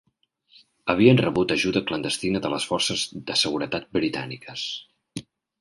Havien rebut ajuda clandestina de les forces de seguretat britàniques.